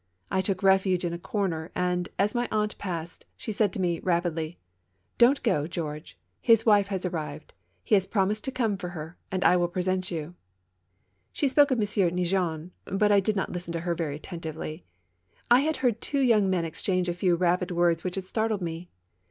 I took refuge in a corner, and, as my aunt passed, she said to me, rapidly : "Don't go, George. His wife has arrived. He has promised to come for her, and I will present you." TWO CHARMERS. 27 She spoke of M. Neigeon, but I did not listen to her very attentively; I had heard two young men exchange a few rapid words which had startled me.